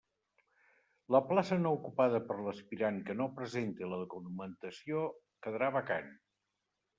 La plaça no ocupada per l'aspirant que no presente la documentació quedarà vacant.